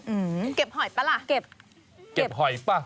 อืมเก็บหอยป่ะล่ะเก็บเก็บหอยป่ะ